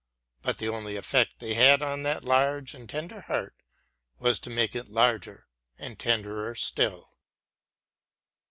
But the only effect they had on that large and tender heart was to make it larger and tenderer still.